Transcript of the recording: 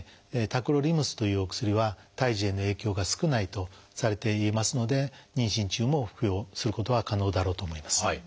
タクロリムスというお薬は胎児への影響が少ないとされていますので妊娠中も服用することは可能だろうと思います。